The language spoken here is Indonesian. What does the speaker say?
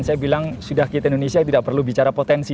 saya bilang sudah kita indonesia tidak perlu bicara potensi